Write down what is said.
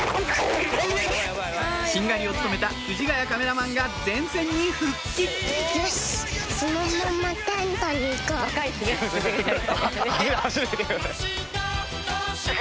しんがりを務めた藤ヶ谷カメラマンが前線に復帰「走れ走れ」って。